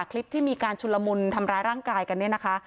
คลิปที่มีการชุลมุนทำร้ายร่างกายกันเนี่ยนะคะ